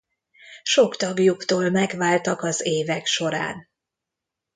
Sok tagjuktól megváltak az évek során.